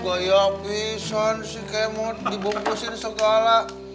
gaya pisang sih kayak mau dibungkusin segala